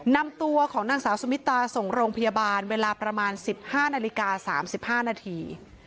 นำตัวของนางสาวสุมิตาส่งโรงพยาบาลเวลาประมาณ๑๕นาฬิกา๓๕นาที